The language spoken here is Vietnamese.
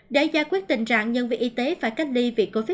để giải quyết tình trạng nhân viên y tế phải cách ly vì covid một mươi chín